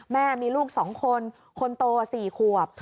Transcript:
แม่มีลูก๒คนคนโต๔ขวบ